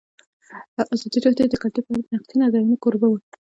ازادي راډیو د کلتور په اړه د نقدي نظرونو کوربه وه.